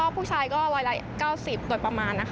ผู้ชายก็ร้อยละ๙๐โดยประมาณนะคะ